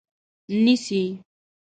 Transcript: نیسي